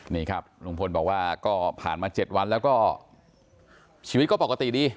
นี่ครับลุงพลบอกว่าก็ผ่านมา๗วันแล้วก็ชีวิตก็ปกติดี